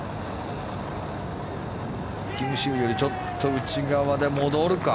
キム・シウよりちょっと内側で戻るか。